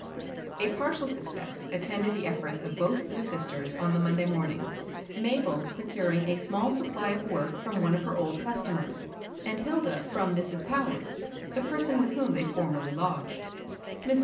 PARTIAL success attended the efforts of both the sisters on the Monday morn ing, — Mabel procuring a small supply of work from one of her old customers, and Hilda from Mrs. Powers, the person with whom they formerly lodged. Mrs.